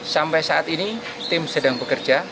sampai saat ini tim sedang bekerja